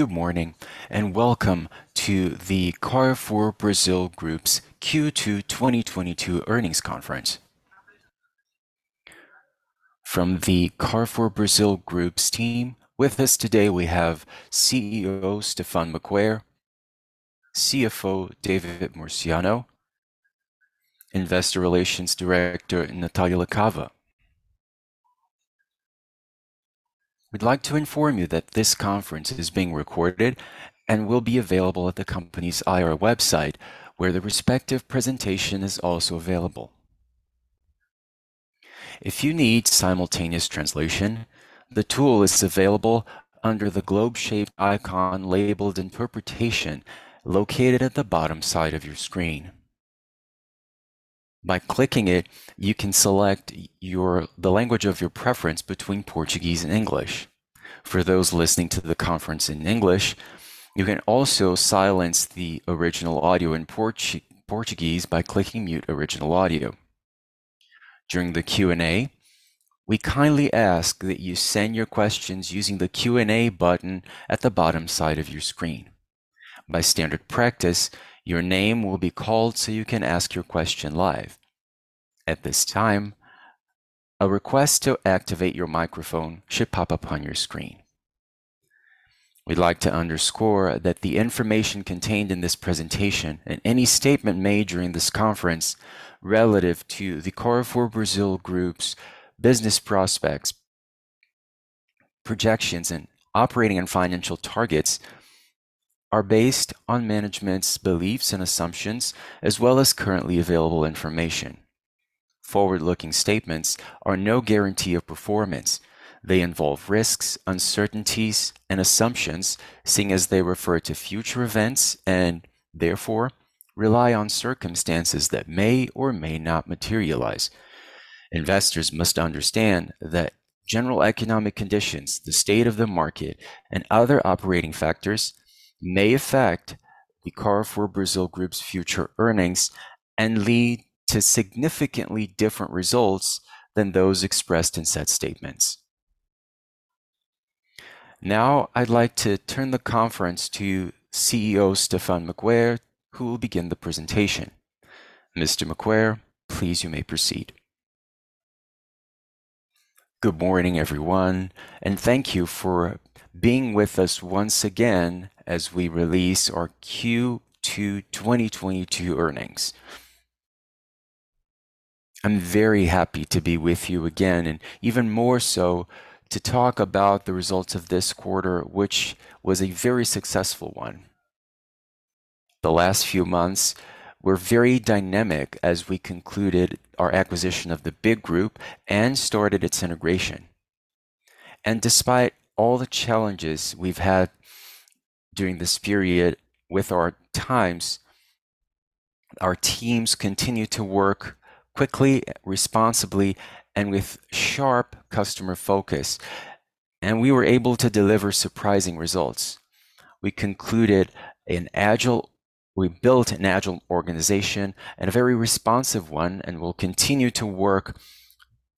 Good morning, and welcome to the Carrefour Brazil Group's Q2 2022 earnings conference. From the Carrefour Brazil Group's team, with us today we have CEO Stéphane Maquaire, CFO David Murciano, Investor Relations Director Natália Lacava. We'd like to inform you that this conference is being recorded and will be available at the company's IR website, where the respective presentation is also available. If you need simultaneous translation, the tool is available under the globe-shaped icon labeled Interpretation, located at the bottom side of your screen. By clicking it, you can select the language of your preference between Portuguese and English. For those listening to the conference in English, you can also silence the original audio in Portuguese by clicking Mute Original Audio. During the Q&A, we kindly ask that you send your questions using the Q&A button at the bottom side of your screen. By standard practice, your name will be called so you can ask your question live. At this time, a request to activate your microphone should pop up on your screen. We'd like to underscore that the information contained in this presentation and any statement made during this conference relative to the Carrefour Brazil Group's business prospects, projections, and operating and financial targets are based on management's beliefs and assumptions as well as currently available information. Forward-looking statements are no guarantee of performance. They involve risks, uncertainties, and assumptions, seeing as they refer to future events and therefore rely on circumstances that may or may not materialize. Investors must understand that general economic conditions, the state of the market, and other operating factors may affect the Carrefour Brazil Group's future earnings and lead to significantly different results than those expressed in said statements. Now I'd like to turn the conference to CEO Stéphane Maquaire, who will begin the presentation. Mr. Maquaire, please, you may proceed. Good morning, everyone, and thank you for being with us once again as we release our Q2 2022 earnings. I'm very happy to be with you again, and even more so to talk about the results of this quarter, which was a very successful one. The last few months were very dynamic as we concluded our acquisition of Grupo BIG and started its integration. Despite all the challenges we've had during this period with our teams, our teams continue to work quickly, responsibly, and with sharp customer focus, and we were able to deliver surprising results. We built an agile organization and a very responsive one, and we'll continue to work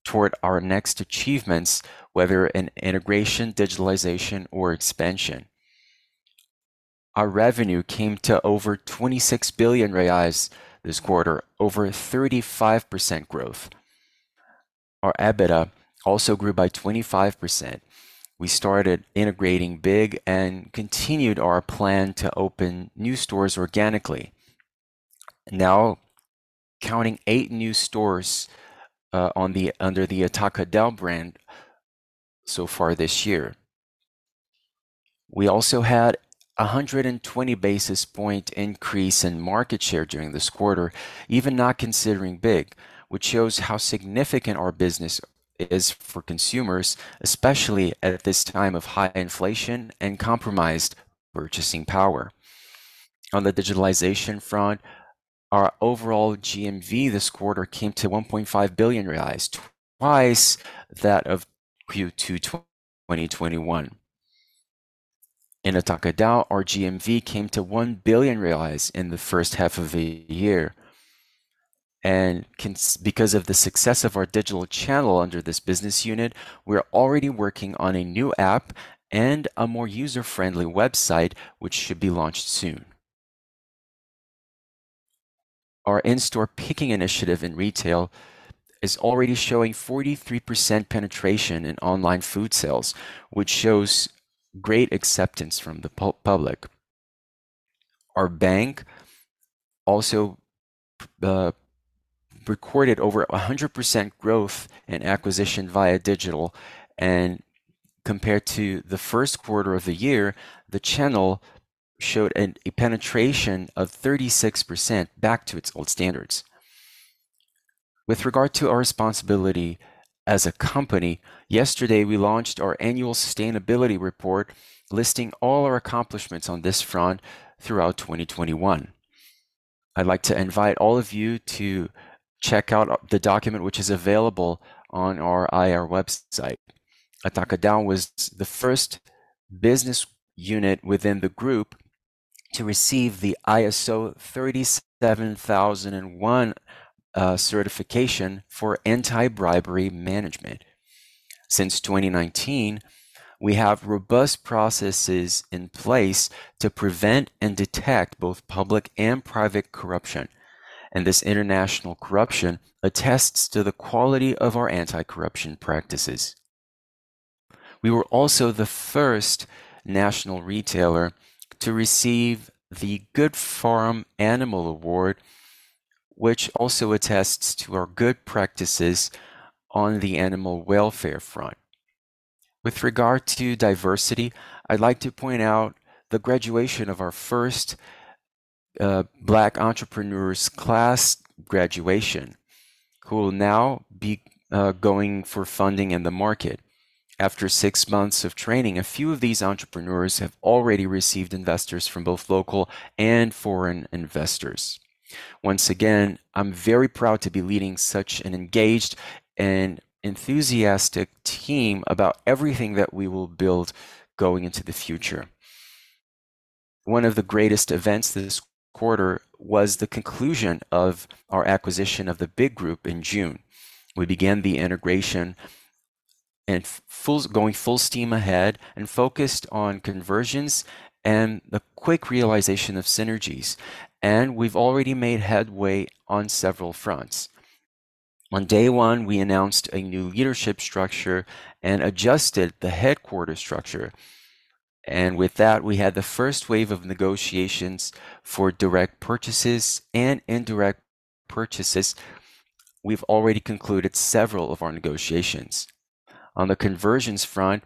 toward our next achievements, whether in integration, digitalization, or expansion. Our revenue came to over 26 billion reais this quarter, over 35% growth. Our EBITDA also grew by 25%. We started integrating BIG and continued our plan to open new stores organically. Now counting eight new stores under the Atacadão brand so far this year. We also had a 120 basis point increase in market share during this quarter, even not considering BIG, which shows how significant our business is for consumers, especially at this time of high inflation and compromised purchasing power. On the digitalization front, our overall GMV this quarter came to 1.5 billion reais, twice that of Q2 2021. In Atacadão, our GMV came to 1 billion in the first half of the year. Because of the success of our digital channel under this business unit, we're already working on a new app and a more user-friendly website, which should be launched soon. Our in-store picking initiative in retail is already showing 43% penetration in online food sales, which shows great acceptance from the public. Our bank also recorded over 100% growth in acquisition via digital. Compared to the first quarter of the year, the channel showed a penetration of 36% back to its old standards. With regard to our responsibility as a company, yesterday, we launched our annual sustainability report listing all our accomplishments on this front throughout 2021. I'd like to invite all of you to check out the document which is available on our IR website. Atacadão was the first business unit within the group to receive the ISO 37001 certification for anti-bribery management. Since 2019, we have robust processes in place to prevent and detect both public and private corruption, and this international certification attests to the quality of our anti-corruption practices. We were also the first national retailer to receive the Good Farm Animal Welfare Award, which also attests to our good practices on the animal welfare front. With regard to diversity, I'd like to point out the graduation of our first Black entrepreneurs class, who will now be going for funding in the market. After six months of training, a few of these entrepreneurs have already received investments from both local and foreign investors. Once again, I'm very proud to be leading such an engaged and enthusiastic team about everything that we will build going into the future. One of the greatest events this quarter was the conclusion of our acquisition of Grupo BIG in June. We began the integration and going full steam ahead and focused on conversions and the quick realization of synergies, and we've already made headway on several fronts. On day one, we announced a new leadership structure and adjusted the headquarters structure. With that, we had the first wave of negotiations for direct purchases and indirect purchases. We've already concluded several of our negotiations. On the conversions front,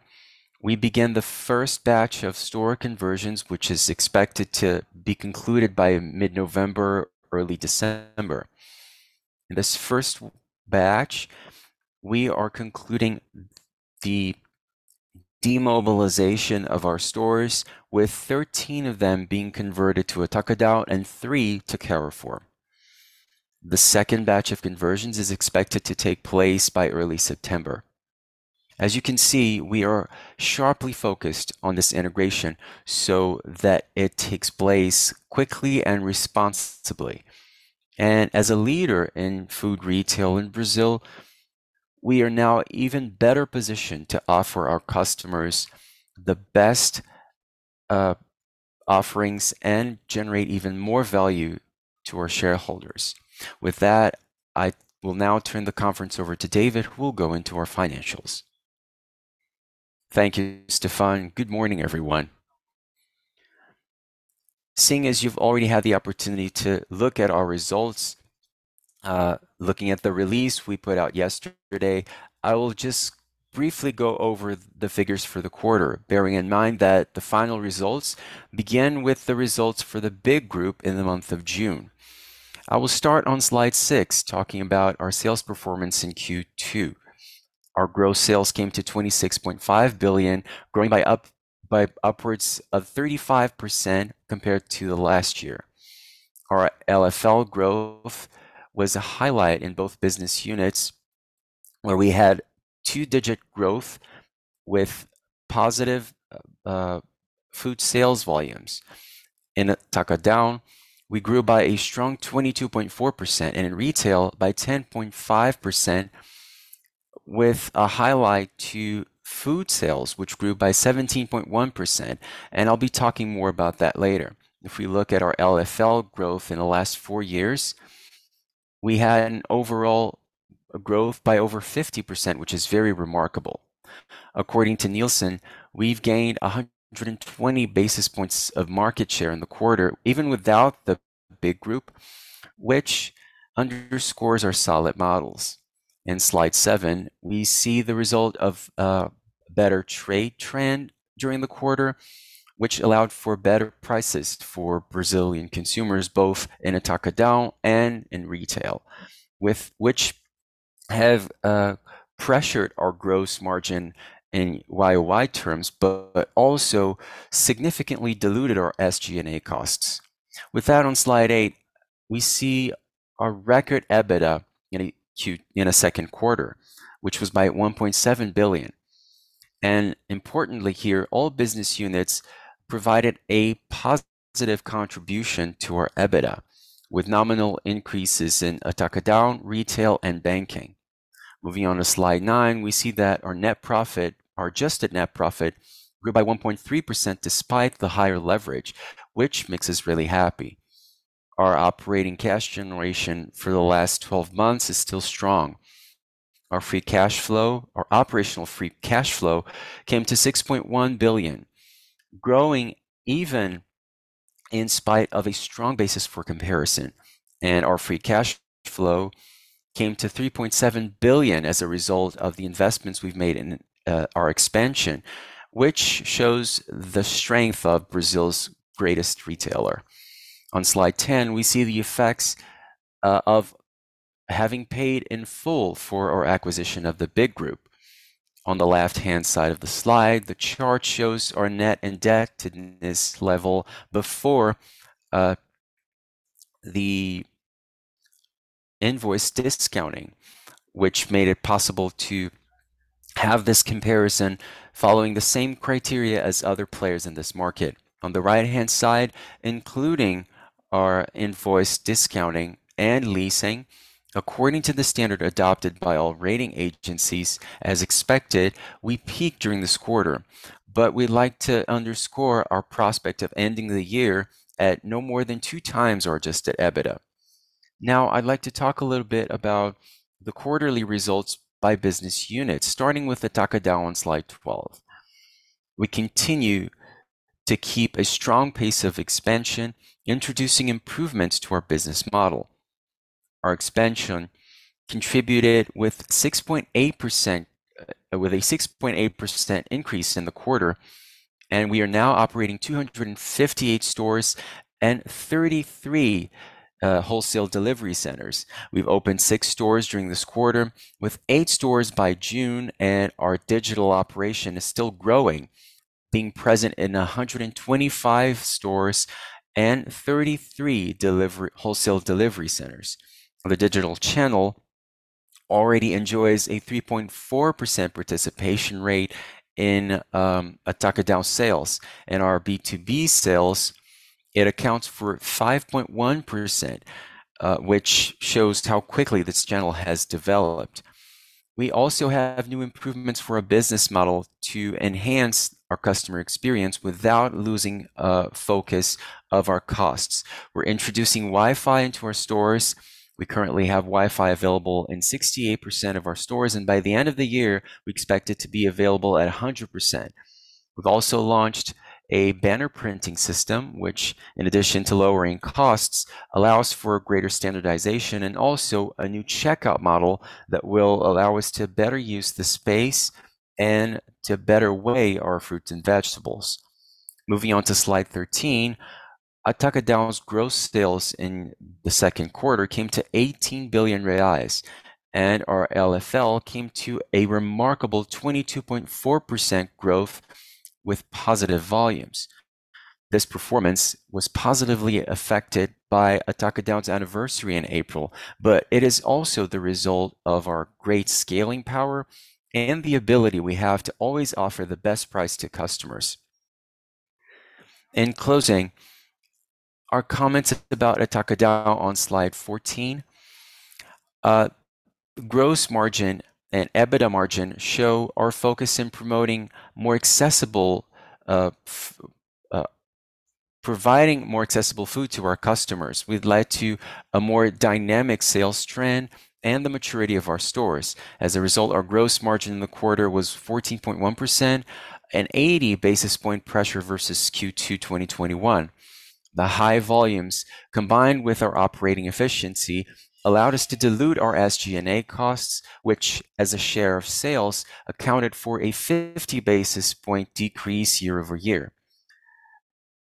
we began the first batch of store conversions, which is expected to be concluded by mid-November, early December. In this first batch, we are concluding the demobilization of our stores, with 13 of them being converted to Atacadão and three to Carrefour. The second batch of conversions is expected to take place by early September. As you can see, we are sharply focused on this integration so that it takes place quickly and responsibly. As a leader in food retail in Brazil, we are now even better positioned to offer our customers the best offerings and generate even more value to our shareholders. With that, I will now turn the conference over to David, who will go into our financials. Thank you, Stéphane. Good morning, everyone. Seeing as you've already had the opportunity to look at our results, looking at the release we put out yesterday, I will just briefly go over the figures for the quarter, bearing in mind that the final results begin with the results for Grupo BIG in the month of June. I will start on slide six, talking about our sales performance in Q2. Our gross sales came to 26.5 billion, growing by upwards of 35% compared to the last year. Our LFL growth was a highlight in both business units, where we had two-digit growth with positive food sales volumes. In Atacadão, we grew by a strong 22.4%, and in retail by 10.5%, with a highlight to food sales, which grew by 17.1%, and I'll be talking more about that later. If we look at our LFL growth in the last four years, we had an overall growth by over 50%, which is very remarkable. According to Nielsen, we've gained 120 basis points of market share in the quarter, even without the Grupo BIG, which underscores our solid models. In slide seven, we see the result of a better trade trend during the quarter, which allowed for better prices for Brazilian consumers, both in Atacadão and in retail, pressured our gross margin in YOY terms, but also significantly diluted our SG&A costs. With that, on slide eight, we see a record EBITDA in a second quarter, which was by 1.7 billion. Importantly here, all business units provided a positive contribution to our EBITDA, with nominal increases in Atacadão, retail, and banking. Moving on to slide nine, we see that our net profit, our adjusted net profit, grew by 1.3% despite the higher leverage, which makes us really happy. Our operating cash generation for the last 12 months is still strong. Our free cash flow, our operational free cash flow came to 6.1 billion, growing even in spite of a strong basis for comparison. Our free cash flow came to 3.7 billion as a result of the investments we've made in our expansion, which shows the strength of Brazil's greatest retailer. On slide 10, we see the effects of having paid in full for our acquisition of Grupo BIG. On the left-hand side of the slide, the chart shows our net indebtedness level before the invoice discounting, which made it possible to have this comparison following the same criteria as other players in this market. On the right-hand side, including our invoice discounting and leasing, according to the standard adopted by all rating agencies, as expected, we peaked during this quarter. We'd like to underscore our prospect of ending the year at no more than two times our adjusted EBITDA. Now, I'd like to talk a little bit about the quarterly results by business unit, starting with Atacadão on slide 12. We continue to keep a strong pace of expansion, introducing improvements to our business model. Our expansion contributed with a 6.8% increase in the quarter, and we are now operating 258 stores and 33 wholesale delivery centers. We've opened six stores during this quarter, with eight stores by June, and our digital operation is still growing, being present in 125 stores and 33 wholesale delivery centers. The digital channel already enjoys a 3.4% participation rate in Atacadão sales. In our B2B sales, it accounts for 5.1%, which shows how quickly this channel has developed. We also have new improvements for our business model to enhance our customer experience without losing focus of our costs. We're introducing Wi-Fi into our stores. We currently have Wi-Fi available in 68% of our stores, and by the end of the year, we expect it to be available at 100%. We've also launched a banner printing system, which in addition to lowering costs, allows for greater standardization and also a new checkout model that will allow us to better use the space and to better weigh our fruits and vegetables. Moving on to slide 13, Atacadão's gross sales in the second quarter came to 18 billion reais, and our LFL came to a remarkable 22.4% growth with positive volumes. This performance was positively affected by Atacadão's anniversary in April, but it is also the result of our great scaling power and the ability we have to always offer the best price to customers. In closing, our comments about Atacadão on slide 14. Gross margin and EBITDA margin show our focus in promoting more accessible, providing more accessible food to our customers. We'd like to a more dynamic sales trend and the maturity of our stores. As a result, our gross margin in the quarter was 14.1% and 80 basis point pressure versus Q2 2021. The high volumes, combined with our operating efficiency, allowed us to dilute our SG&A costs, which as a share of sales, accounted for a 50 basis point decrease year over year.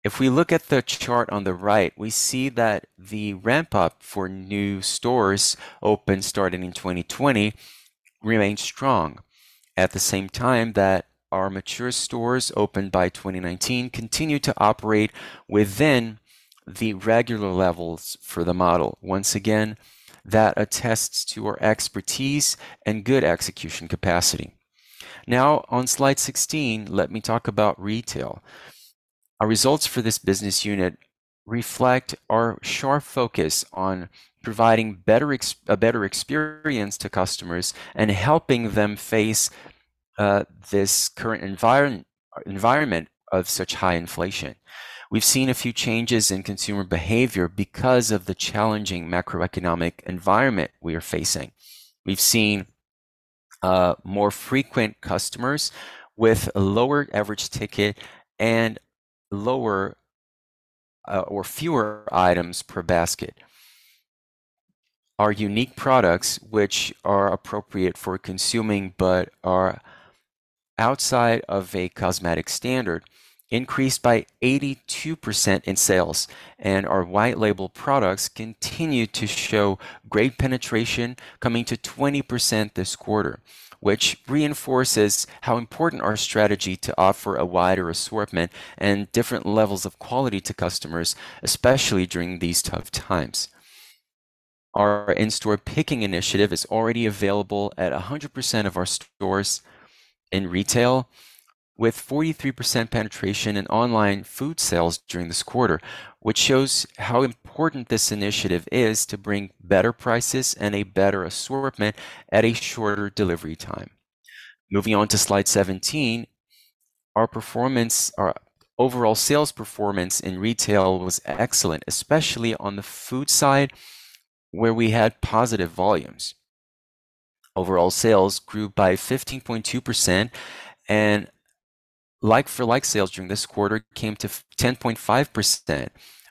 If we look at the chart on the right, we see that the ramp-up for new stores opened starting in 2020 remained strong. At the same time that our mature stores opened by 2019 continue to operate within the regular levels for the model. Once again, that attests to our expertise and good execution capacity. Now on slide 16, let me talk about retail. Our results for this business unit reflect our sharp focus on providing a better experience to customers and helping them face this current environment of such high inflation. We've seen a few changes in consumer behavior because of the challenging macroeconomic environment we are facing. We've seen more frequent customers with a lower average ticket and lower or fewer items per basket. Our unique products, which are appropriate for consuming but are outside of a cosmetic standard, increased by 82% in sales. Our white label products continue to show great penetration coming to 20% this quarter, which reinforces how important our strategy to offer a wider assortment and different levels of quality to customers, especially during these tough times. Our in-store picking initiative is already available at 100% of our stores in retail, with 43% penetration in online food sales during this quarter, which shows how important this initiative is to bring better prices and a better assortment at a shorter delivery time. Moving on to slide 17, our overall sales performance in retail was excellent, especially on the food side, where we had positive volumes. Overall sales grew by 15.2%, and like-for-like sales during this quarter came to 10.5%,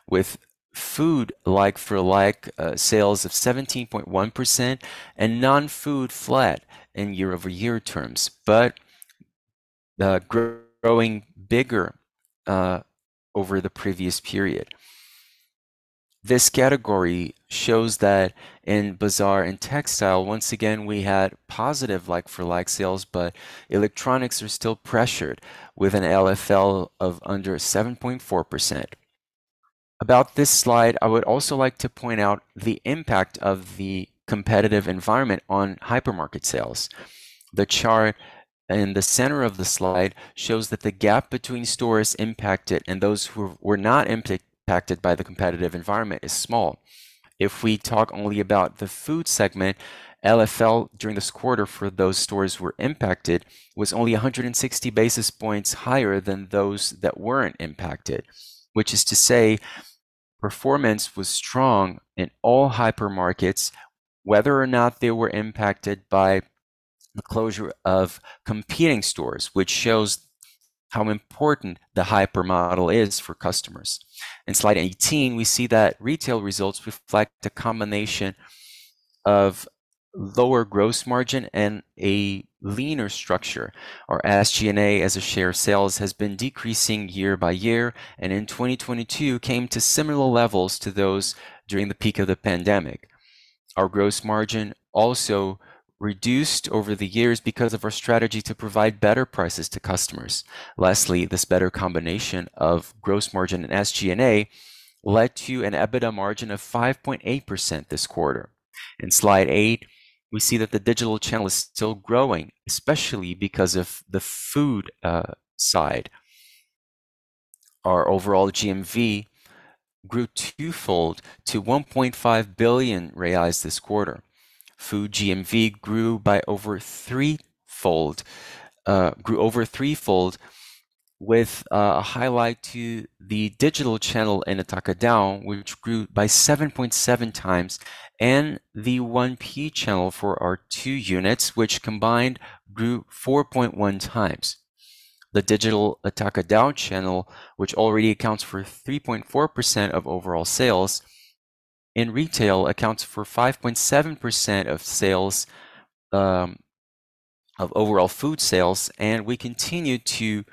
with food like-for-like sales of 17.1% and non-food flat in year-over-year terms. Growing bigger over the previous period. This category shows that in bazaar and textile, once again, we had positive like-for-like sales, but electronics are still pressured with an LFL of under 7.4%. About this slide, I would also like to point out the impact of the competitive environment on hypermarket sales. The chart in the center of the slide shows that the gap between stores impacted and those who were not impacted by the competitive environment is small. If we talk only about the food segment, LFL during this quarter for those stores were impacted was only 160 basis points higher than those that weren't impacted. Which is to say, performance was strong in all hypermarkets, whether or not they were impacted by the closure of competing stores, which shows how important the hyper model is for customers. In slide 18, we see that retail results reflect a combination of lower gross margin and a leaner structure. Our SG&A as a share of sales has been decreasing year by year, and in 2022 came to similar levels to those during the peak of the pandemic. Our gross margin also reduced over the years because of our strategy to provide better prices to customers. Lastly, this better combination of gross margin and SG&A led to an EBITDA margin of 5.8% this quarter. In slide eight, we see that the digital channel is still growing, especially because of the food side. Our overall GMV grew twofold to 1.5 billion reais this quarter. Food GMV grew over threefold with a highlight to the digital channel in Atacadão, which grew by 7.7 times, and the 1P channel for our two units, which combined grew 4.1 times. The digital Atacadão channel, which already accounts for 3.4% of overall sales and retail accounts for 5.7% of sales of overall food sales, and we continue to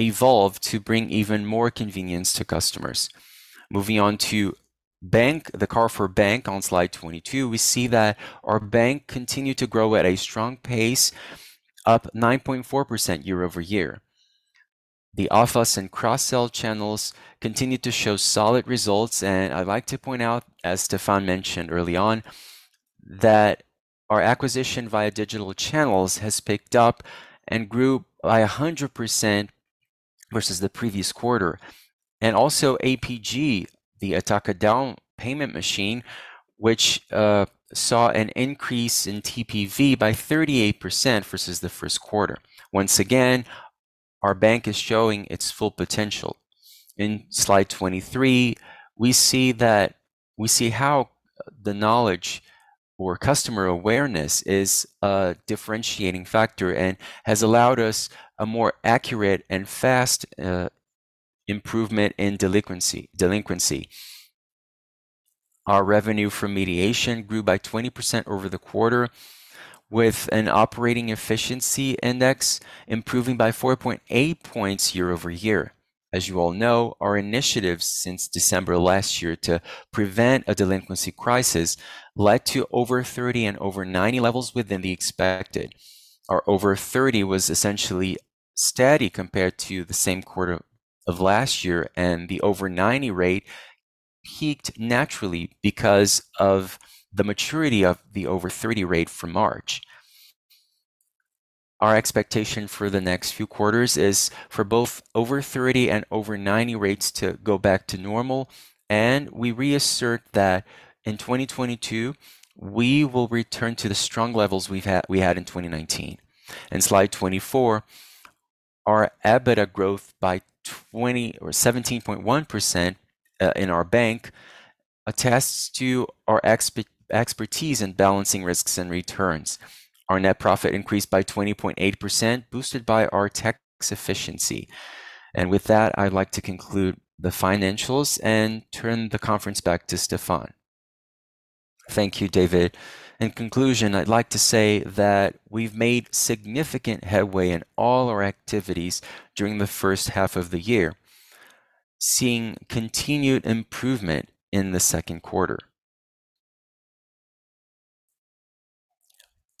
evolve to bring even more convenience to customers. Moving on to the bank, Banco Carrefour on slide 22, we see that our bank continued to grow at a strong pace, up 9.4% year-over-year. The office and cross-sell channels continued to show solid results, and I'd like to point out, as Stéphane mentioned early on, that our acquisition via digital channels has picked up and grew by 100% versus the previous quarter. Also APG, the Atacadão payment machine, which saw an increase in TPV by 38% versus the first quarter. Once again, our bank is showing its full potential. In slide 23, we see how the knowledge or customer awareness is a differentiating factor and has allowed us a more accurate and fast improvement in delinquency. Our revenue from mediation grew by 20% over the quarter, with an operating efficiency index improving by 4.8 points year-over-year. As you all know, our initiatives since December last year to prevent a delinquency crisis led to over 30 and over 90 levels within the expected. Our over 30 was essentially steady compared to the same quarter of last year, and the over 90 rate peaked naturally because of the maturity of the over 30 rate from March. Our expectation for the next few quarters is for both over 30 and over 90 rates to go back to normal, and we reassert that in 2022, we will return to the strong levels we had in 2019. In slide 24, our EBITDA growth by 24.1% in our bank attests to our expertise in balancing risks and returns. Our net profit increased by 20.8%, boosted by our tax efficiency. With that, I'd like to conclude the financials and turn the conference back to Stéphane. Thank you, David. In conclusion, I'd like to say that we've made significant headway in all our activities during the first half of the year, seeing continued improvement in the second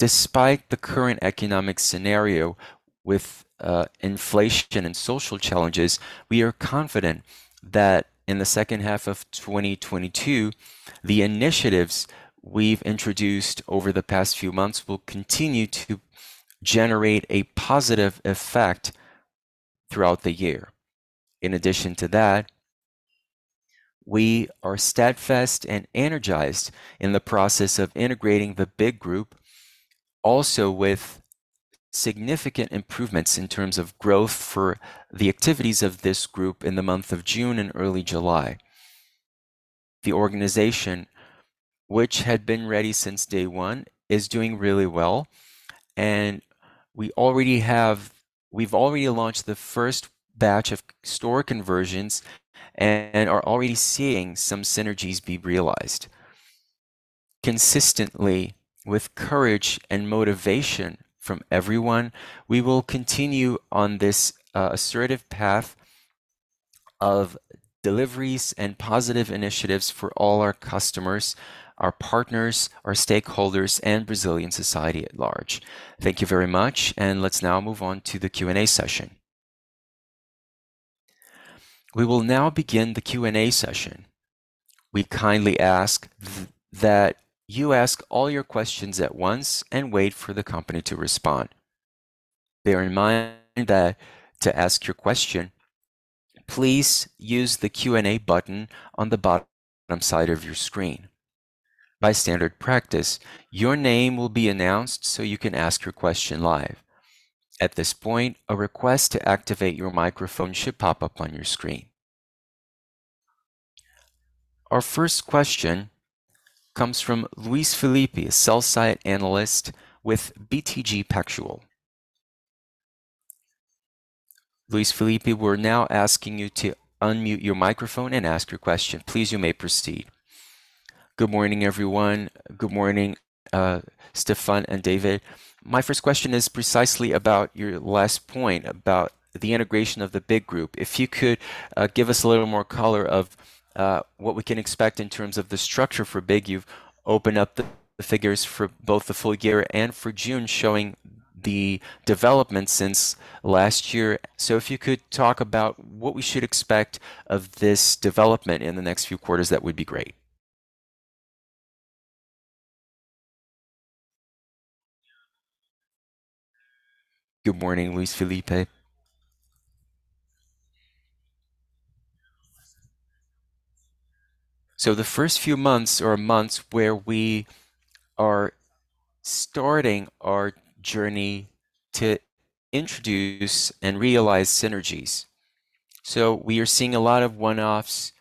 quarter. Despite the current economic scenario with inflation and social challenges, we are confident that in the second half of 2022, the initiatives we've introduced over the past few months will continue to generate a positive effect throughout the year. In addition to that, we are steadfast and energized in the process of integrating the Grupo BIG also with significant improvements in terms of growth for the activities of this group in the month of June and early July. The organization, which had been ready since day one, is doing really well, and we already have. We've already launched the first batch of store conversions and are already seeing some synergies be realized. Consistently with courage and motivation from everyone, we will continue on this assertive path of deliveries and positive initiatives for all our customers, our partners, our stakeholders, and Brazilian society at large. Thank you very much, and let's now move on to the Q&A session. We will now begin the Q&A session. We kindly ask that you ask all your questions at once and wait for the company to respond. Bear in mind that to ask your question, please use the Q&A button on the bottom side of your screen. By standard practice, your name will be announced so you can ask your question live. At this point, a request to activate your microphone should pop up on your screen. Our first question comes from Luiz Felipe, a Sell-Side Analyst with BTG Pactual. Luiz Felipe, we're now asking you to unmute your microphone and ask your question. Please, you may proceed. Good morning, everyone. Good morning, Stéphane and David. My first question is precisely about your last point about the integration of Grupo BIG. If you could give us a little more color of what we can expect in terms of the structure for BIG. You've opened up the figures for both the full year and for June, showing the development since last year. If you could talk about what we should expect of this development in the next few quarters, that would be great. Good morning, Luiz Felipe. The first few months or months where we are starting our journey to introduce and realize synergies. We are seeing a lot of one-offs,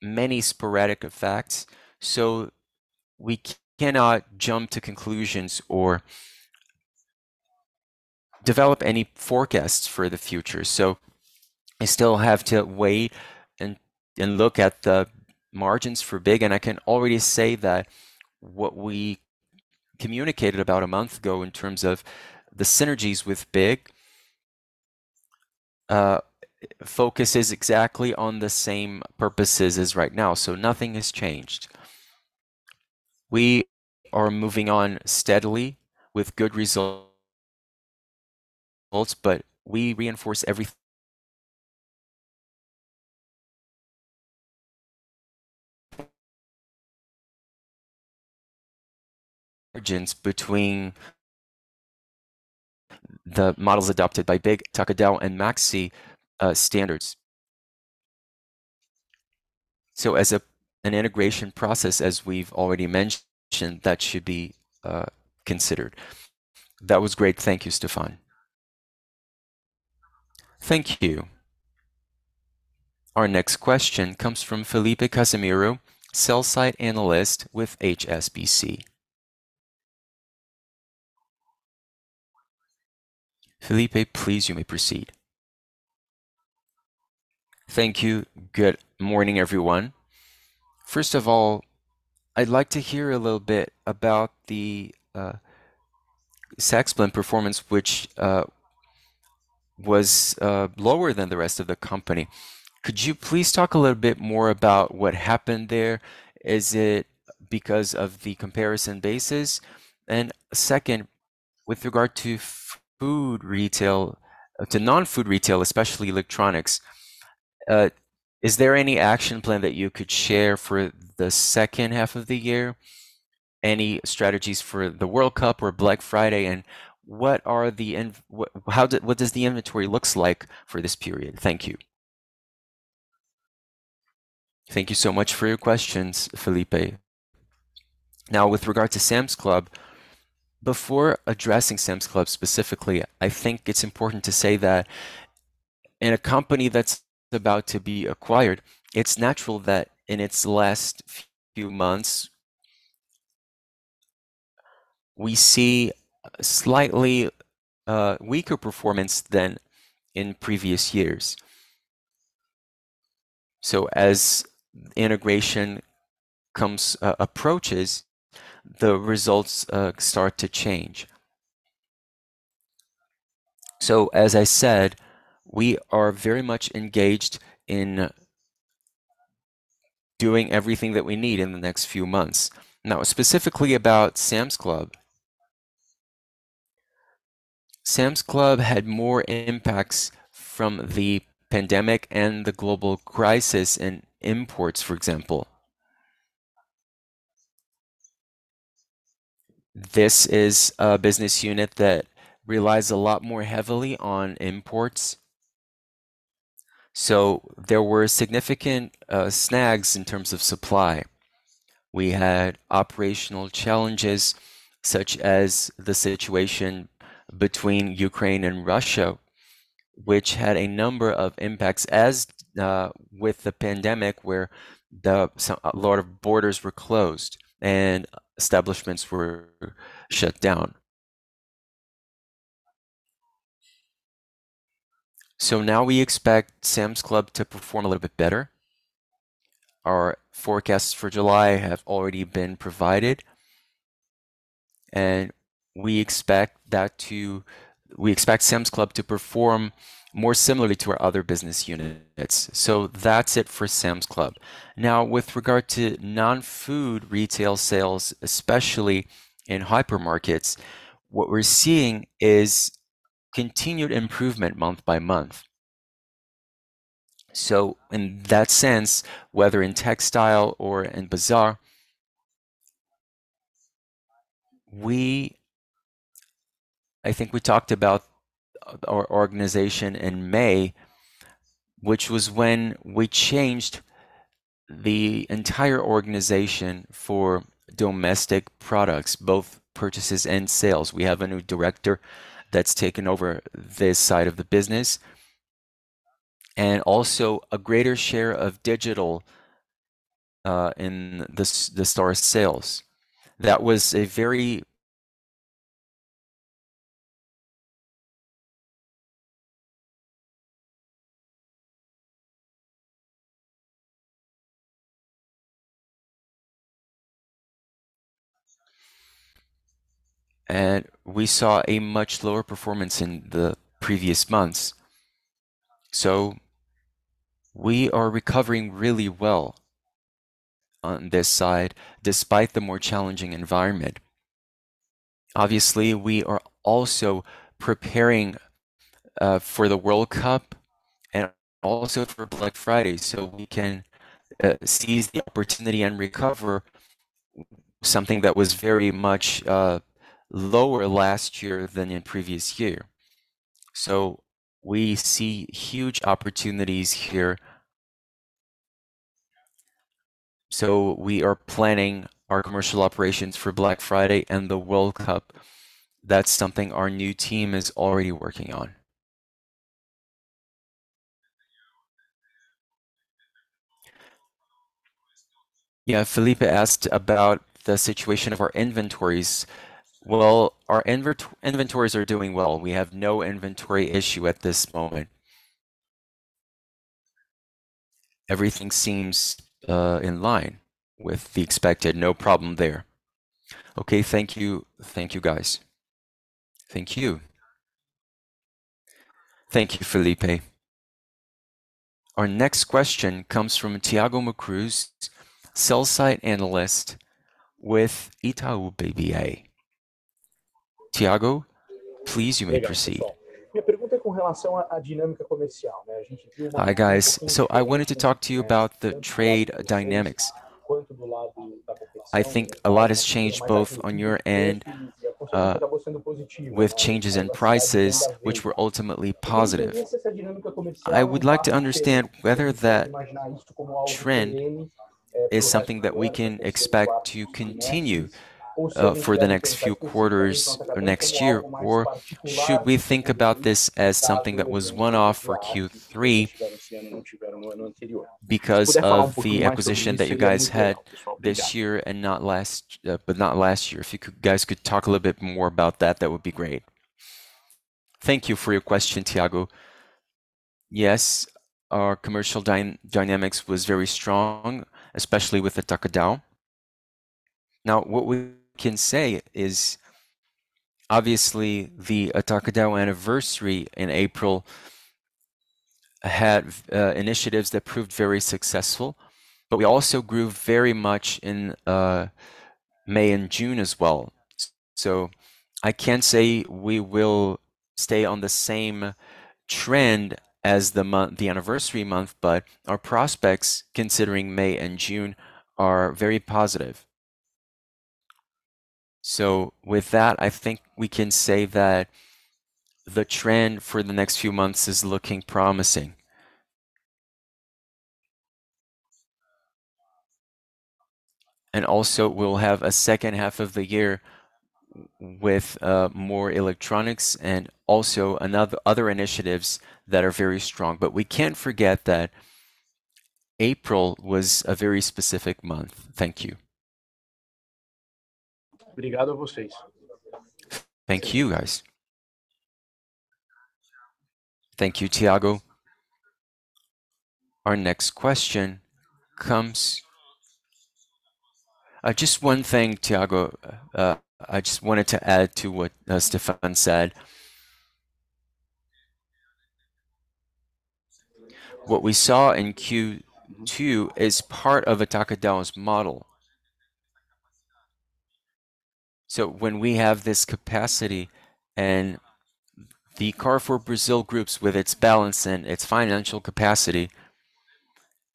many sporadic effects, so we cannot jump to conclusions or develop any forecasts for the future. I still have to wait and look at the margins for BIG, and I can already say that what we communicated about a month ago in terms of the synergies with BIG focuses exactly on the same purposes as right now, so nothing has changed. We are moving on steadily with good results, but we reinforce every margins between the models adopted by BIG, Atacadão, and Maxxi standards. As an integration process, as we've already mentioned, that should be considered. That was great. Thank you, Stéphane. Thank you. Our next question comes from Felipe Casimiro, sell-side analyst with HSBC. Felipe, please, you may proceed. Thank you. Good morning, everyone. First of all, I'd like to hear a little bit about the Maxxi performance, which was lower than the rest of the company. Could you please talk a little bit more about what happened there? Is it because of the comparison basis? Second, with regard to non-food retail, especially electronics, is there any action plan that you could share for the second half of the year? Any strategies for the World Cup or Black Friday, and what does the inventory looks like for this period? Thank you. Thank you so much for your questions, Felipe. Now, with regard to Sam's Club, before addressing Sam's Club specifically, I think it's important to say that in a company that's about to be acquired, it's natural that in its last few months we see slightly weaker performance than in previous years. As integration approaches, the results start to change. As I said, we are very much engaged in doing everything that we need in the next few months. Now, specifically about Sam's Club. Sam's Club had more impacts from the pandemic and the global crisis in imports, for example. This is a business unit that relies a lot more heavily on imports, so there were significant snags in terms of supply. We had operational challenges such as the situation between Ukraine and Russia, which had a number of impacts, as with the pandemic, where a lot of borders were closed and establishments were shut down. Now we expect Sam's Club to perform a little bit better. Our forecasts for July have already been provided, and we expect that. We expect Sam's Club to perform more similarly to our other business units. That's it for Sam's Club. Now, with regard to non-food retail sales, especially in hypermarkets. What we're seeing is continued improvement month by month. In that sense, whether in textile or in bazaar, I think we talked about our organization in May, which was when we changed the entire organization for domestic products, both purchases and sales. We have a new director that's taken over this side of the business, and also a greater share of digital, in the store's sales. That was a very. We saw a much lower performance in the previous months. We are recovering really well on this side despite the more challenging environment. Obviously, we are also preparing for the World Cup and also for Black Friday so we can seize the opportunity and recover something that was very much lower last year than in previous year. We see huge opportunities here. We are planning our commercial operations for Black Friday and the World Cup. That's something our new team is already working on. Yeah, Felipe asked about the situation of our inventories. Well, our inventories are doing well. We have no inventory issue at this moment. Everything seems in line with the expected. No problem there. Okay, thank you. Thank you, guys. Thank you. Thank you, Felipe. Our next question comes from Thiago Macruz, sell-side analyst with Itaú BBA. Thiago, please, you may proceed. Hi, guys. I wanted to talk to you about the trade dynamics. I think a lot has changed both on your end with changes in prices, which were ultimately positive. I would like to understand whether that trend is something that we can expect to continue for the next few quarters or next year, or should we think about this as something that was one-off for Q3 because of the acquisition that you guys had this year and not last year. If you guys could talk a little bit more about that would be great. Thank you for your question, Thiago. Yes, our commercial dynamics was very strong, especially with Atacadão. Now, what we can say is obviously the Atacadão anniversary in April had initiatives that proved very successful, but we also grew very much in May and June as well. I can't say we will stay on the same trend as the anniversary month. Our prospects considering May and June are very positive. With that, I think we can say that the trend for the next few months is looking promising. We'll have a second half of the year with more electronics and also other initiatives that are very strong. We can't forget that April was a very specific month. Thank you. Thank you, guys. Thank you, Thiago. Our next question comes. Just one thing, Thiago, I just wanted to add to what Stéphane said. What we saw in Q2 is part of Atacadão's model. When we have this capacity and the Carrefour Brazil Group with its balance and its financial capacity,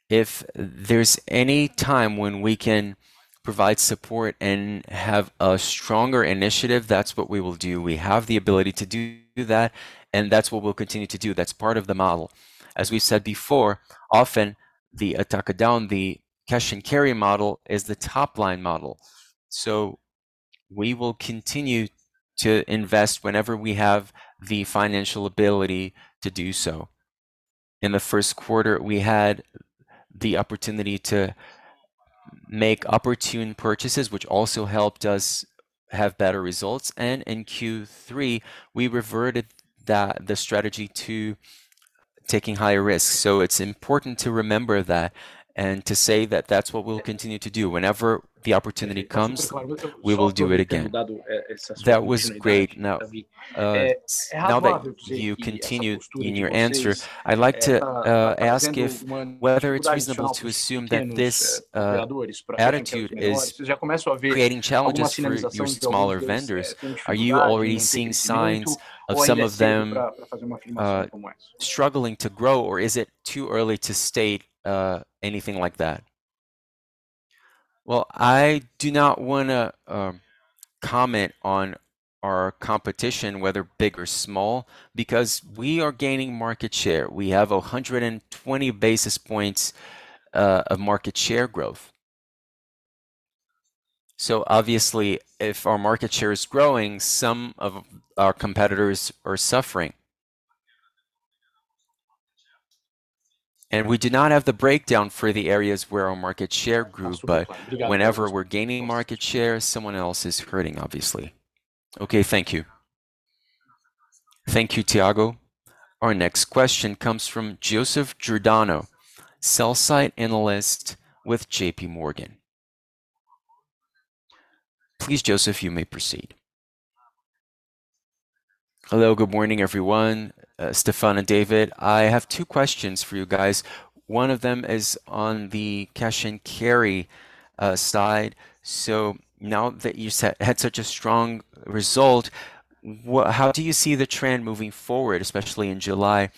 if there's any time when we can provide support and have a stronger initiative, that's what we will do. We have the ability to do that, and that's what we'll continue to do. That's part of the model. As we said before, often the Atacadão, the cash and carry model is the top-line model. We will continue to invest whenever we have the financial ability to do so. In the first quarter, we had the opportunity to make opportune purchases, which also helped us have better results. In Q3, we reverted the strategy to taking higher risks. It's important to remember that and to say that that's what we'll continue to do. Whenever the opportunity comes, we will do it again. That was great. Now, now that you continued in your answer, I'd like to ask whether it's reasonable to assume that this attitude is creating challenges for your smaller vendors. Are you already seeing signs of some of them struggling to grow, or is it too early to state anything like that? Well, I do not wanna comment on our competition, whether big or small, because we are gaining market share. We have 120 basis points of market share growth. So obviously, if our market share is growing, some of our competitors are suffering. We do not have the breakdown for the areas where our market share grew, but whenever we're gaining market share, someone else is hurting, obviously. Okay, thank you. Thank you, Thiago Macruz. Our next question comes from Joseph Giordano, sell-side analyst with JPMorgan. Please, Joseph, you may proceed. Hello. Good morning, everyone, Stéphane and David. I have two questions for you guys. One of them is on the cash and carry side. Now that you had such a strong result, how do you see the trend moving forward, especially in July?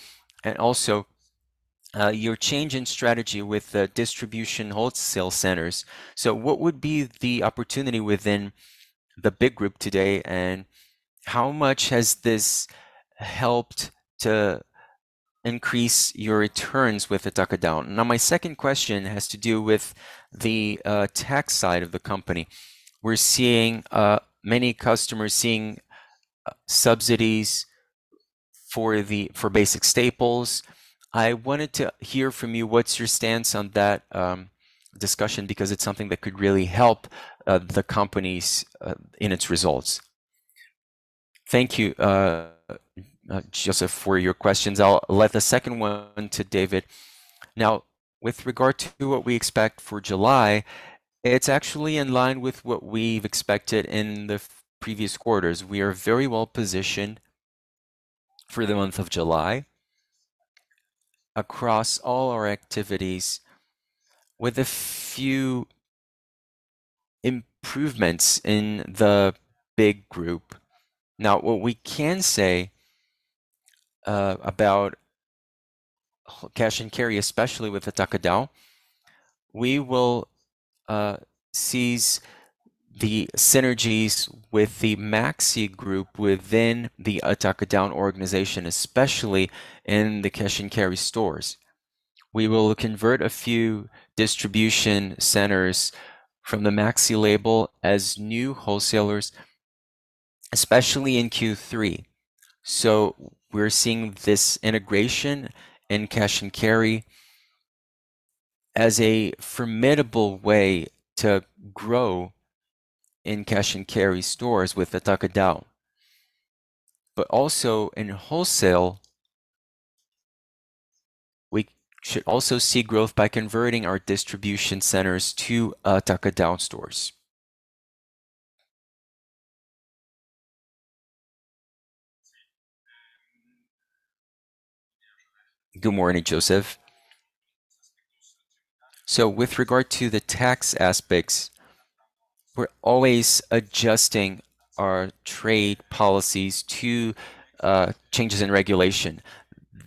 Your change in strategy with the distribution wholesale centers. What would be the opportunity within the Grupo BIG today, and how much has this helped to increase your returns with Atacadão? Now, my second question has to do with the tax side of the company. We're seeing many customers receiving subsidies for basic staples. I wanted to hear from you what's your stance on that, discussion, because it's something that could really help the companies in its results. Thank you, Joseph, for your questions. I'll leave the second one to David. Now, with regard to what we expect for July, it's actually in line with what we've expected in the previous quarters. We are very well positioned for the month of July across all our activities with a few improvements in the Grupo BIG. Now, what we can say about cash and carry, especially with Atacadão, we will seize the synergies with the Maxxi group within the Atacadão organization, especially in the cash and carry stores. We will convert a few distribution centers from the Maxxi label as new wholesalers, especially in Q3. We're seeing this integration in cash and carry as a formidable way to grow in cash and carry stores with Atacadão. Also in wholesale, we should also see growth by converting our distribution centers to Atacadão stores. Good morning, Joseph. With regard to the tax aspects, we're always adjusting our trade policies to changes in regulation.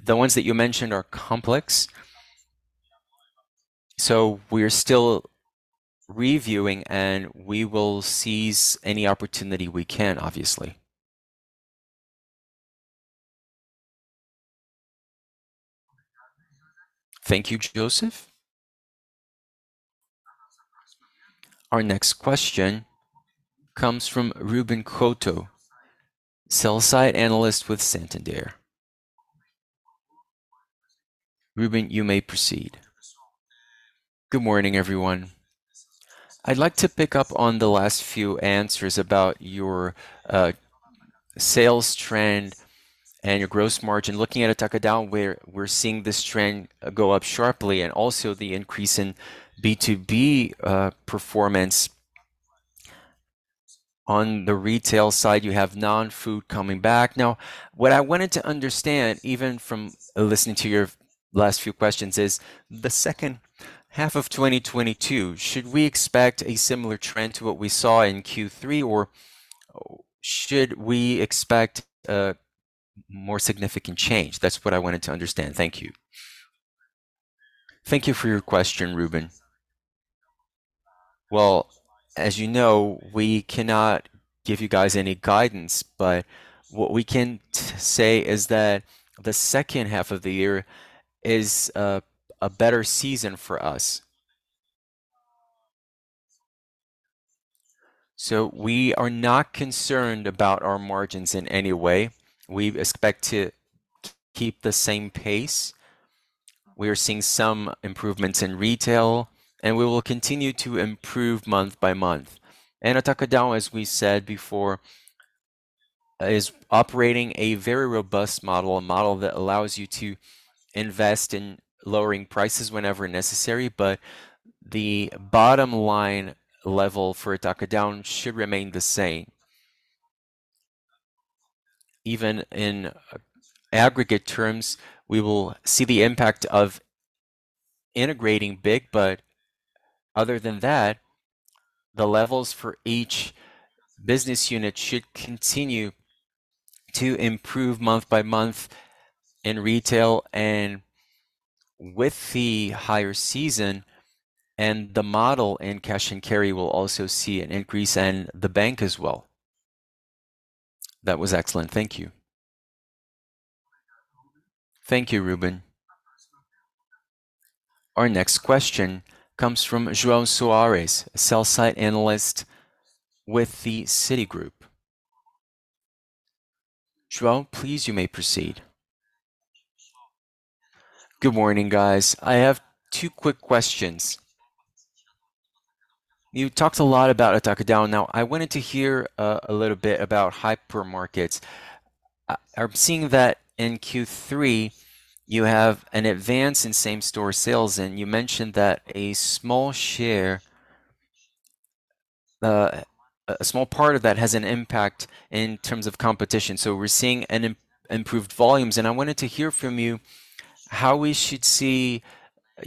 The ones that you mentioned are complex, so we are still reviewing, and we will seize any opportunity we can, obviously. Thank you, Joseph. Our next question comes from Ruben Couto, sell-side analyst with Santander. Ruben, you may proceed. Good morning, everyone. I'd like to pick up on the last few answers about your sales trend and your gross margin. Looking at Atacadão, we're seeing this trend go up sharply and also the increase in B2B performance. On the retail side, you have non-food coming back. Now, what I wanted to understand, even from listening to your last few questions, is the second half of 2022, should we expect a similar trend to what we saw in Q3, or should we expect a more significant change? That's what I wanted to understand. Thank you. Thank you for your question, Ruben. Well, as you know, we cannot give you guys any guidance, but what we can say is that the second half of the year is a better season for us. We are not concerned about our margins in any way. We expect to keep the same pace. We are seeing some improvements in retail, and we will continue to improve month by month. Atacadão, as we said before, is operating a very robust model, a model that allows you to invest in lowering prices whenever necessary. The bottom line level for Atacadão should remain the same. Even in aggregate terms, we will see the impact of integrating BIG, but other than that, the levels for each business unit should continue to improve month by month in retail and with the higher season and the model in cash and carry will also see an increase and the bank as well. That was excellent. Thank you. Thank you, Ruben. Our next question comes from João Soares, sell-side analyst with Citigroup. João, please, you may proceed. Good morning, guys. I have two quick questions. You talked a lot about Atacadão. Now, I wanted to hear a little bit about hypermarkets. Are seeing that in Q3 you have an advance in same store sales, and you mentioned that a small share, a small part of that has an impact in terms of competition. We're seeing an improved volumes. I wanted to hear from you how we should see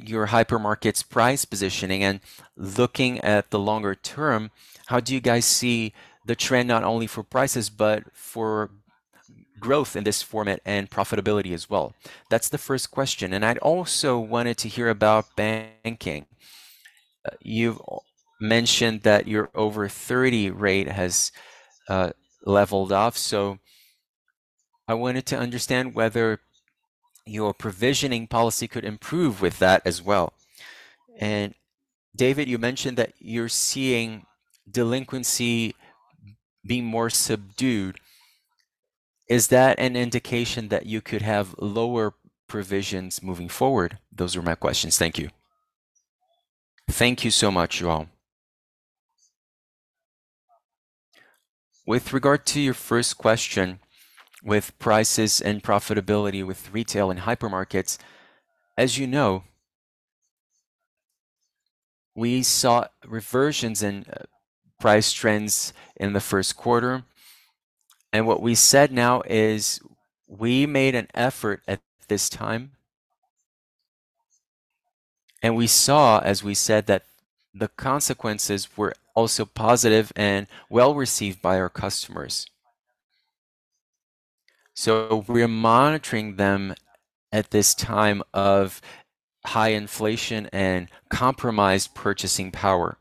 your hypermarket's price positioning. Looking at the longer term, how do you guys see the trend not only for prices, but for growth in this format and profitability as well? That's the first question. I'd also wanted to hear about banking. You've mentioned that your over 30 rate has leveled off, so I wanted to understand whether your provisioning policy could improve with that as well. David, you mentioned that you're seeing delinquency be more subdued. Is that an indication that you could have lower provisions moving forward? Those are my questions. Thank you. Thank you so much, João. With regard to your first question, with prices and profitability with retail and hypermarkets, as you know, we saw reversions in price trends in the first quarter. What we said now is we made an effort at this time, and we saw, as we said, that the consequences were also positive and well received by our customers. We are monitoring them at this time of high inflation and compromised purchasing power.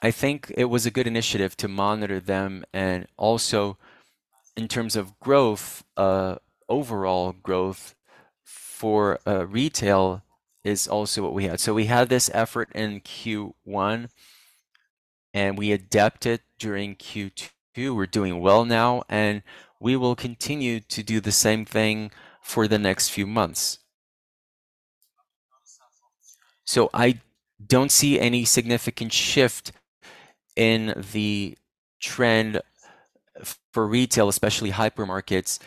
I think it was a good initiative to monitor them and also in terms of growth, overall growth for retail is also what we had. We had this effort in Q1, and we adapted during Q2. We're doing well now, and we will continue to do the same thing for the next few months. I don't see any significant shift in the trend for retail, especially hypermarkets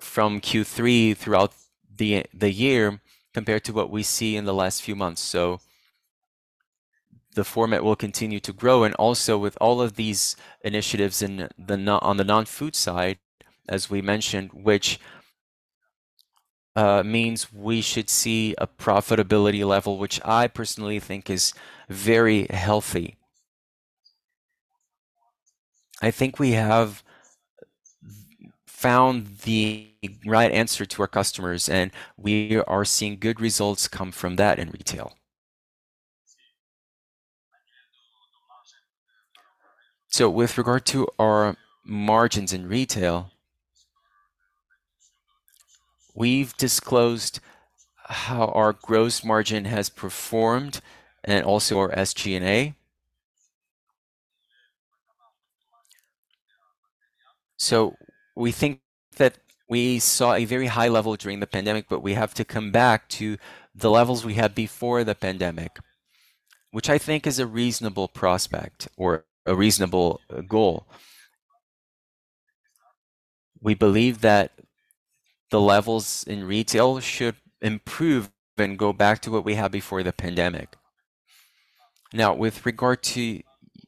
from Q3 throughout the year compared to what we see in the last few months. The format will continue to grow and also with all of these initiatives on the non-food side, as we mentioned, which means we should see a profitability level, which I personally think is very healthy. I think we have found the right answer to our customers, and we are seeing good results come from that in retail. With regard to our margins in retail, we've disclosed how our gross margin has performed and also our SG&A. We think that we saw a very high level during the pandemic, but we have to come back to the levels we had before the pandemic, which I think is a reasonable prospect or a reasonable goal. We believe that the levels in retail should improve and go back to what we had before the pandemic. Now, with regard to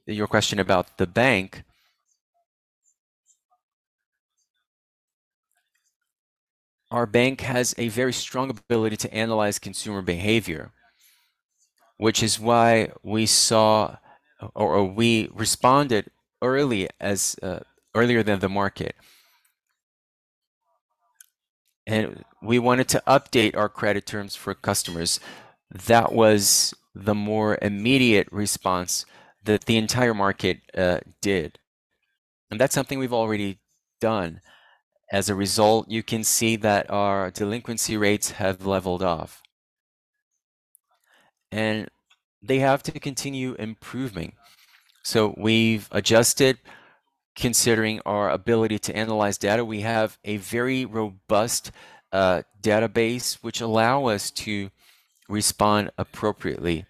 your question about the bank, our bank has a very strong ability to analyze consumer behavior, which is why we responded earlier than the market. We wanted to update our credit terms for customers. That was the more immediate response that the entire market did, and that's something we've already done. As a result, you can see that our delinquency rates have leveled off. They have to continue improving. We've adjusted considering our ability to analyze data. We have a very robust database which allows us to respond appropriately.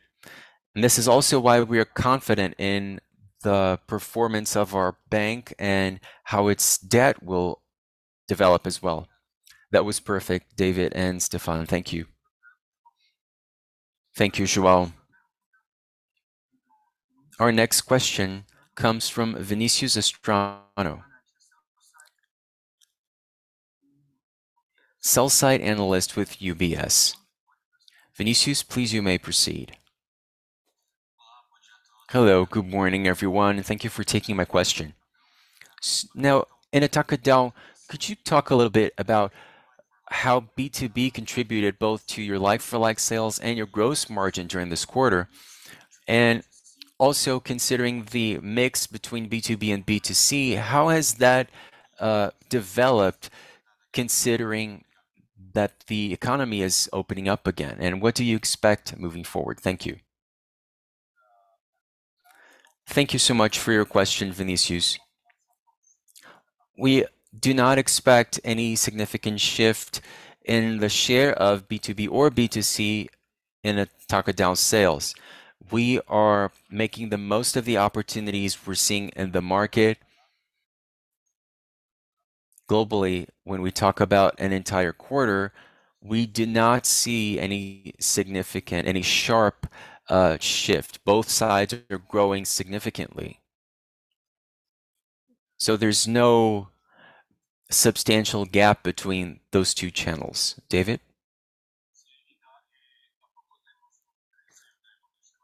This is also why we are confident in the performance of our bank and how its debt will develop as well. That was perfect, David and Stéphane. Thank you. Thank you, João. Our next question comes from Vinicius Strano, sell-side analyst with UBS. Vinicius, please, you may proceed. Hello. Good morning, everyone, and thank you for taking my question. Now, in Atacadão, could you talk a little bit about how B2B contributed both to your like-for-like sales and your gross margin during this quarter? And also considering the mix between B2B and B2C, how has that developed considering that the economy is opening up again? And what do you expect moving forward? Thank you. Thank you so much for your question, Vinicius. We do not expect any significant shift in the share of B2B or B2C in Atacadão sales. We are making the most of the opportunities we're seeing in the market. Globally, when we talk about an entire quarter, we did not see any significant sharp shift. Both sides are growing significantly. There's no substantial gap between those two channels. David?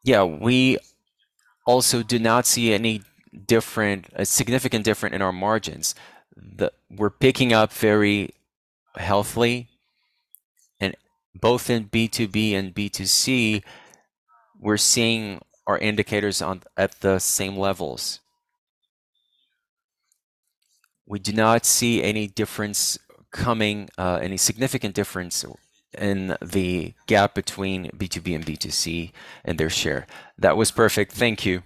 We also do not see any significant difference in our margins. We're picking up very healthily, and both in B2B and B2C, we're seeing our indicators at the same levels. We do not see any difference coming, any significant difference in the gap between B2B and B2C and their share. That was perfect. Thank you.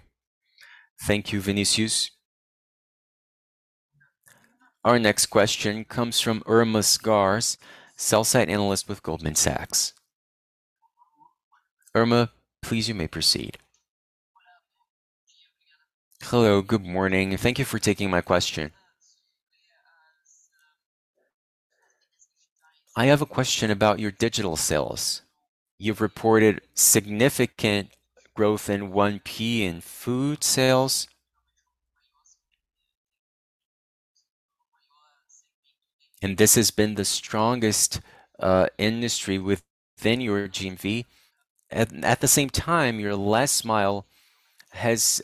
Thank you, Vinicius. Our next question comes from Irma Sgarz, sell-side analyst with Goldman Sachs. Irma, please, you may proceed. Hello. Good morning, and thank you for taking my question. I have a question about your digital sales. You've reported significant growth in 1P in food sales. This has been the strongest industry within your GMV. At the same time, your last mile has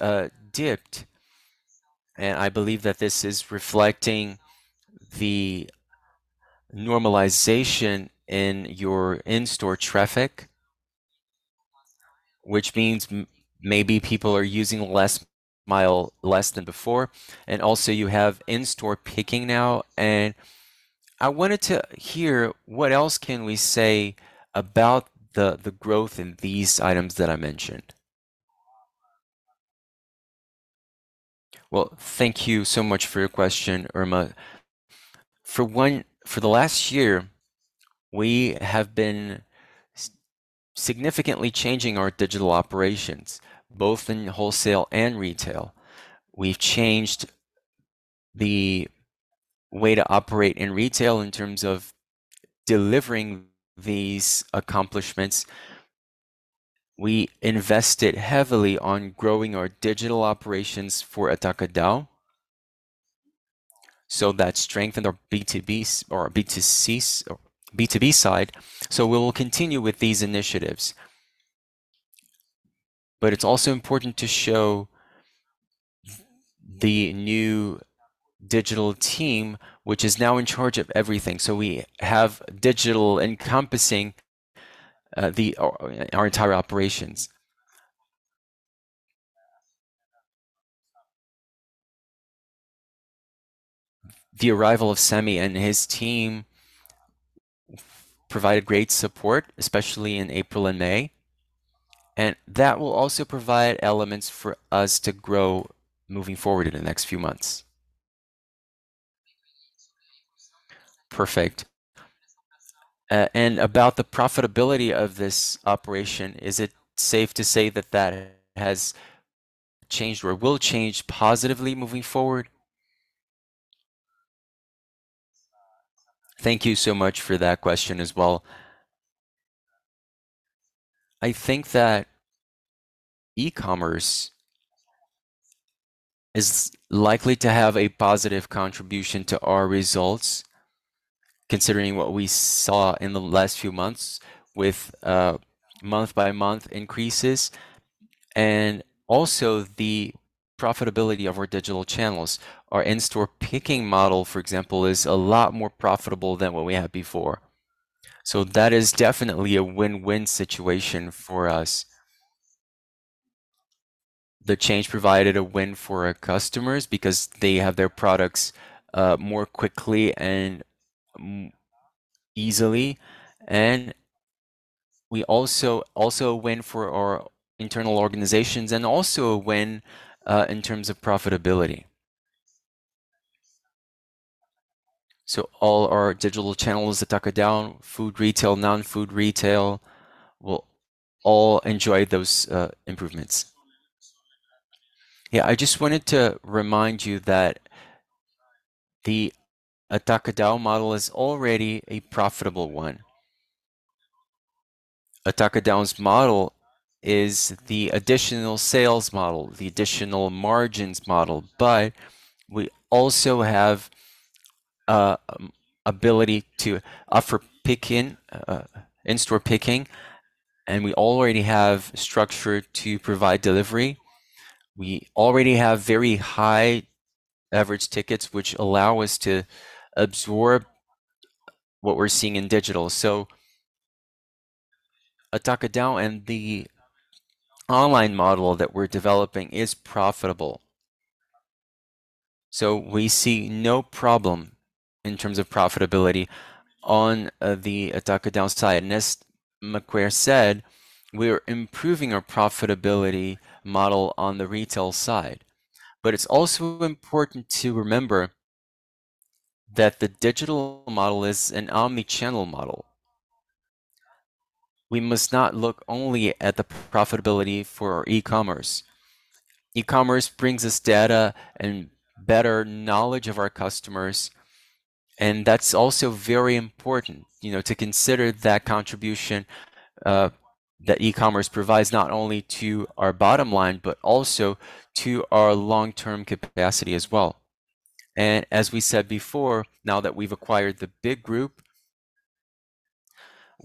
dipped. I believe that this is reflecting the normalization in your in-store traffic, which means maybe people are using less than before. Also you have in-store picking now. I wanted to hear what else can we say about the growth in these items that I mentioned. Well, thank you so much for your question, Irma. For the last year, we have been significantly changing our digital operations, both in wholesale and retail. We've changed the way to operate in retail in terms of delivering these accomplishments. We invested heavily on growing our digital operations for Atacadão, so that strengthened our B2B side or our B2C side. We will continue with these initiatives. It's also important to show the new digital team, which is now in charge of everything. We have digital encompassing our entire operations. The arrival of Sami and his team provided great support, especially in April and May, and that will also provide elements for us to grow moving forward in the next few months. Perfect. About the profitability of this operation, is it safe to say that has changed or will change positively moving forward? Thank you so much for that question as well. I think that e-commerce is likely to have a positive contribution to our results, considering what we saw in the last few months with month-by-month increases and also the profitability of our digital channels. Our in-store picking model, for example, is a lot more profitable than what we had before. That is definitely a win-win situation for us. The change provided a win for our customers because they have their products more quickly and easily. We also a win for our internal organizations and also a win in terms of profitability. All our digital channels, Atacadão, food retail, non-food retail, will all enjoy those improvements. Yeah. I just wanted to remind you that the Atacadão model is already a profitable one. Atacadão's model is the additional sales model, the additional margins model. But we also have ability to offer pickup in-store picking, and we already have structure to provide delivery. We already have very high average tickets, which allow us to absorb what we're seeing in digital. Atacadão and the online model that we're developing is profitable. We see no problem in terms of profitability on the Atacadão side. As Stéphane said, we're improving our profitability model on the retail side. It's also important to remember that the digital model is an omni-channel model. We must not look only at the profitability for our e-commerce. E-commerce brings us data and better knowledge of our customers, and that's also very important, you know, to consider that contribution that e-commerce provides, not only to our bottom line, but also to our long-term capacity as well. As we said before, now that we've acquired the Grupo BIG,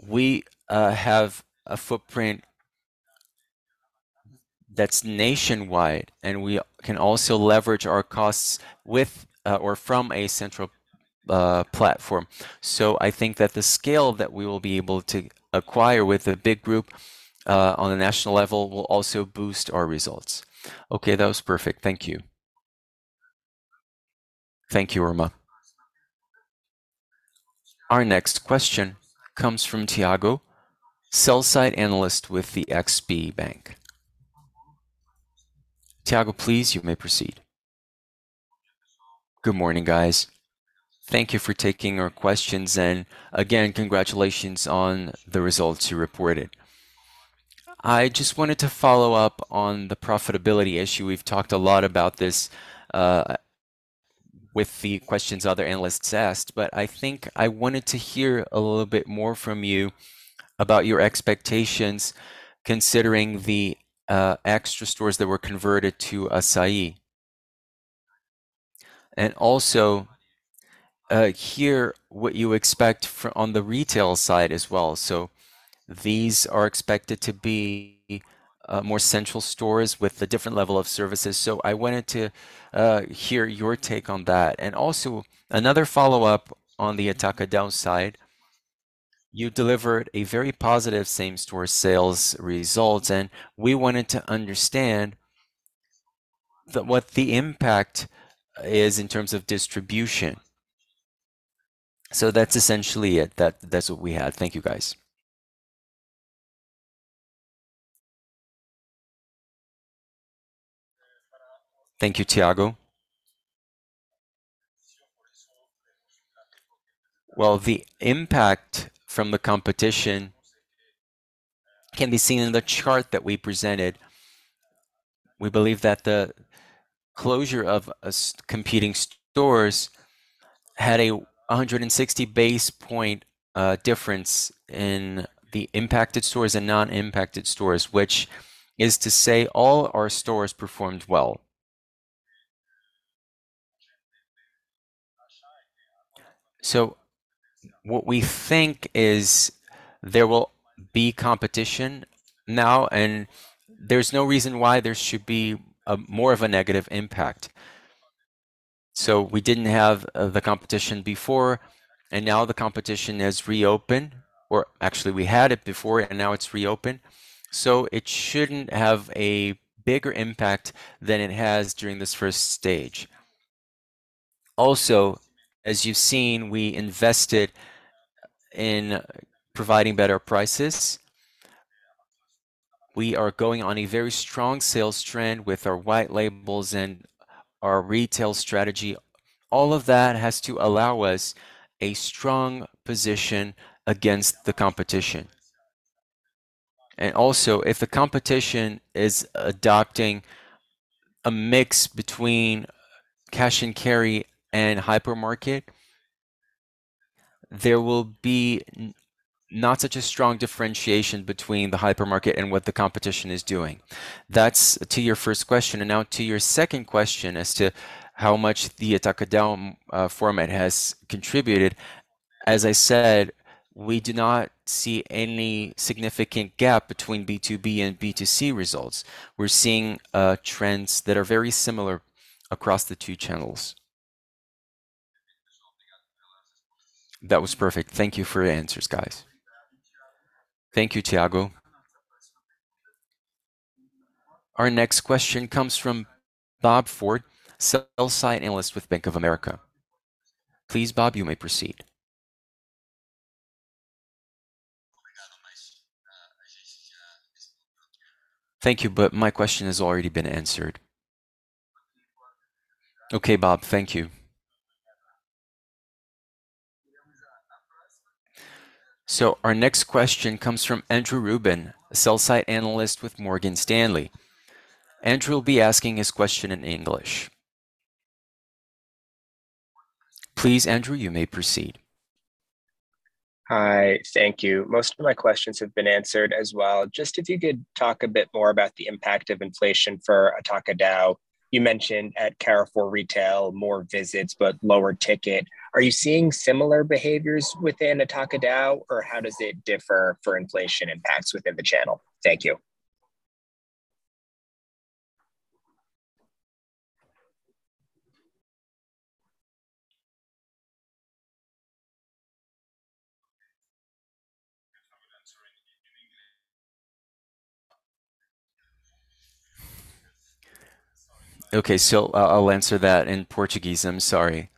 we have a footprint that's nationwide, and we can also leverage our costs with or from a central platform. I think that the scale that we will be able to acquire with the Grupo BIG on a national level will also boost our results. Okay. That was perfect. Thank you. Thank you, Irma. Our next question comes from Thiago, sell-side analyst with the XP Bank. Thiago, please, you may proceed. Good morning, guys. Thank you for taking our questions. Again, congratulations on the results you reported. I just wanted to follow up on the profitability issue. We've talked a lot about this with the questions other analysts asked, but I think I wanted to hear a little bit more from you about your expectations considering the extra stores that were converted to Assaí. Also, hear what you expect on the retail side as well. These are expected to be more central stores with a different level of services, so I wanted to hear your take on that. Also another follow-up on the Atacadão side. You delivered a very positive same-store sales results, and we wanted to understand what the impact is in terms of distribution. That's essentially it. That's what we had. Thank you, guys. Thank you, Thiago. Well, the impact from the competition can be seen in the chart that we presented. We believe that the closure of Assaí competing stores had 160 basis point difference in the impacted stores and non-impacted stores, which is to say all our stores performed well. What we think is there will be competition now, and there's no reason why there should be a more of a negative impact. We didn't have the competition before, and now the competition has reopened. Actually, we had it before, and now it's reopened, so it shouldn't have a bigger impact than it has during this first stage. Also, as you've seen, we invested in providing better prices. We are going on a very strong sales trend with our white labels and our retail strategy. All of that has to allow us a strong position against the competition. Also, if the competition is adopting a mix between cash and carry and hypermarket, there will be not such a strong differentiation between the hypermarket and what the competition is doing. That's to your first question. Now to your second question as to how much the Atacadão format has contributed. As I said, we do not see any significant gap between B2B and B2C results. We're seeing trends that are very similar across the two channels. That was perfect. Thank you for your answers, guys. Thank you, Thiago. Our next question comes from Bob Ford, Sell-Side Analyst with Bank of America. Please, Robert, you may proceed. Thank you, but my question has already been answered. Okay, Bob. Thank you. Our next question comes from Andrew Ruben, Sell-Side Analyst with Morgan Stanley. Andrew will be asking his question in English. Please, Andrew, you may proceed. Hi. Thank you. Most of my questions have been answered as well. Just if you could talk a bit more about the impact of inflation for Atacadão. You mentioned at Carrefour Retail, more visits but lower ticket. Are you seeing similar behaviors within Atacadão, or how does it differ for inflation impacts within the channel? Thank you. I'll answer that in Portuguese. I'm sorry.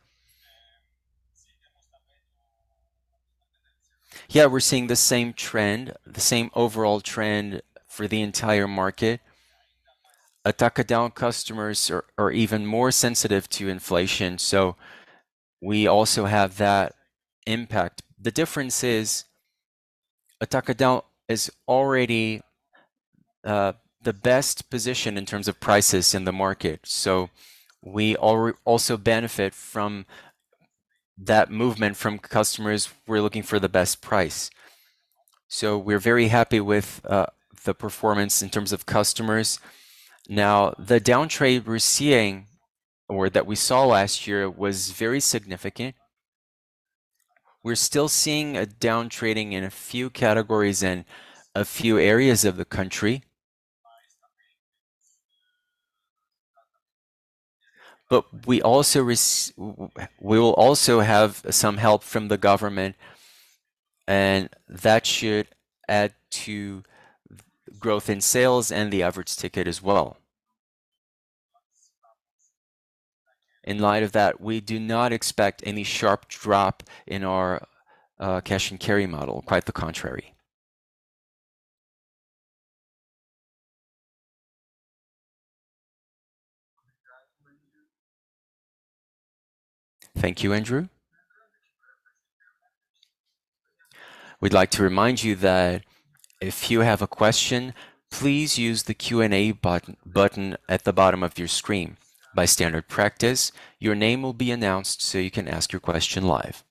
Yeah, we're seeing the same trend, the same overall trend for the entire market. Atacadão customers are even more sensitive to inflation, so we also have that impact. The difference is Atacadão is already the best position in terms of prices in the market. We also benefit from that movement from customers who are looking for the best price. We're very happy with the performance in terms of customers. Now, the downtrading we're seeing or that we saw last year was very significant. We're still seeing a downtrading in a few categories in a few areas of the country. We will also have some help from the government, and that should add to growth in sales and the average ticket as well. In light of that, we do not expect any sharp drop in our cash and carry model. Quite the contrary. Thank you, Andrew. We'd like to remind you that if you have a question, please use the Q&A button at the bottom of your screen. By standard practice, your name will be announced so you can ask your question live.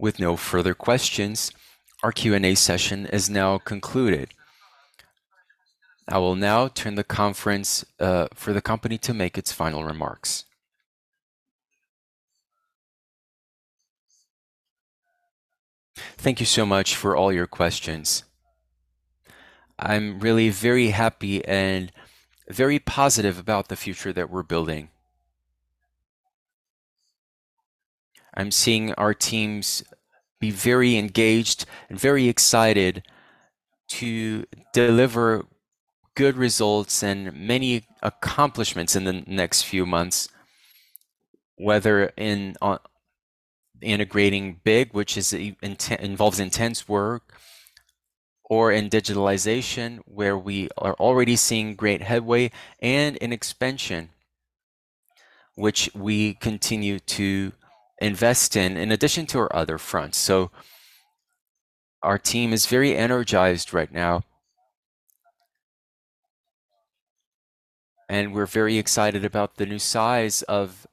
With no further questions, our Q&A session is now concluded. I will now turn the conference for the company to make its final remarks. Thank you so much for all your questions. I'm really very happy and very positive about the future that we're building. I'm seeing our teams be very engaged and very excited to deliver good results and many accomplishments in the next few months, whether in integrating Grupo BIG, which involves intense work, or in digitalization, where we are already seeing great headway and an expansion which we continue to invest in addition to our other fronts. Our team is very energized right now, and we're very excited about the new size of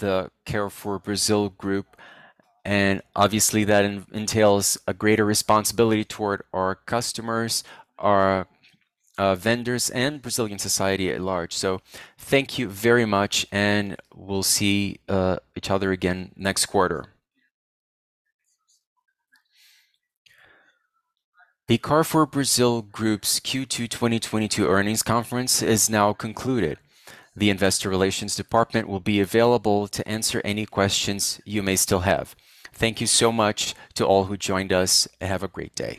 the Carrefour Brazil Group, and obviously, that entails a greater responsibility toward our customers, our vendors, and Brazilian society at large. Thank you very much, and we'll see each other again next quarter. The Carrefour Brazil Group's Q2 2022 earnings conference is now concluded. The investor relations department will be available to answer any questions you may still have. Thank you so much to all who joined us, and have a great day.